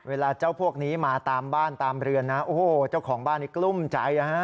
เวลาเจ้าพวกนี้มาตามบ้านตามเรือนนะโอ้โหเจ้าของบ้านนี้กลุ้มใจนะฮะ